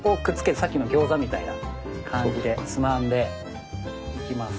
さっきのギョーザみたいな感じでつまんでいきます。